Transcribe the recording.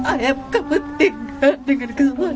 ayam kepentingan dengan kesalahan